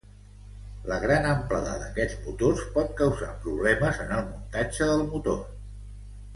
La gran amplada d'aquests motors pot causar problemes en el muntatge del motor.